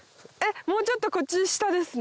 もうちょっとこっち下ですね。